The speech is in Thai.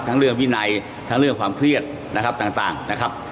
เรื่องวินัยทั้งเรื่องความเครียดนะครับต่างนะครับ